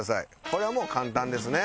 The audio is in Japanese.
これはもう簡単ですね。